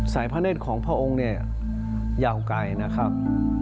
สายพันธุ์ของพระองค์ยาวไกลนะครับ